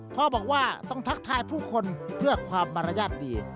พ่อบอกว่าต้องทักทายผู้คนเพื่อความมารยาทดี